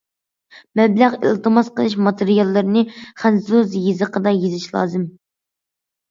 مەبلەغ ئىلتىماس قىلىش ماتېرىياللىرىنى خەنزۇ يېزىقىدا يېزىش لازىم.